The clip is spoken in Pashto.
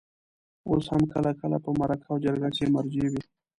اوس هم کله کله په مرکه او جرګه کې مرجع وي.